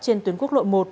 trên tuyến quốc lộ một